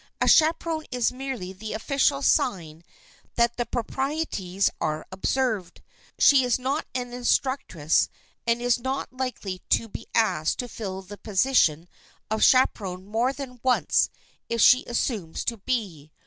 A chaperon is merely the official sign that the proprieties are observed. She is not an instructress and is not likely to be asked to fill the position of chaperon more than once if she assumes to be.